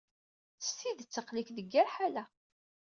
S tidet aql-ik deg yir ḥala.